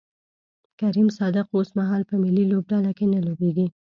کریم صادق اوسمهال په ملي لوبډله کې نه لوبیږي